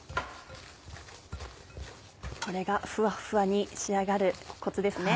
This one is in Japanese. これがふわっふわに仕上がるコツですね。